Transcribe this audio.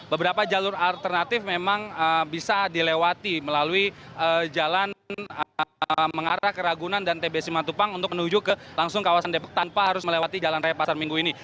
beberapa jalur alternatif memang bisa dilewati melalui jalan mengarah ke ragunan dan tbc matupang untuk menuju ke langsung kawasan depok tanpa harus melewati jalan raya pasar minggu ini